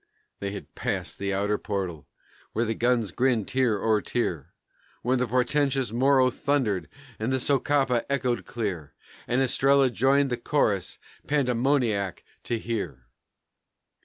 They had passed the outer portal where the guns grinned, tier o'er tier, When portentous Morro thundered, and Socapa echoed clear, And Estrella joined the chorus pandemoniac to hear.